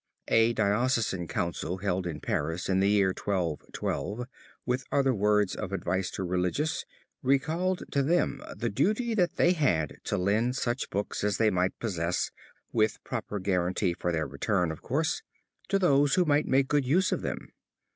A diocesan council held in Paris in the year 1212, with other words of advice to religious, recalled to them the duty that they had to lend such books as they might possess, with proper guarantee for their return, of course, to those who might make good use of them.